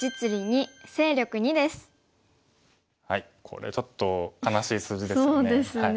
これちょっと悲しい数字ですよね。